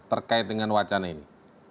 terkait dengan wacana ini